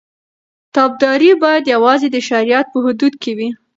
تابعداري باید یوازې د شریعت په حدودو کې وي.